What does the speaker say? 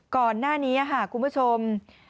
ก่อนหน้านี้ค่ะคุณผู้ชม